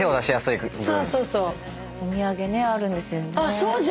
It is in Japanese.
そうじゃん。